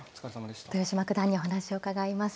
豊島九段にお話を伺います。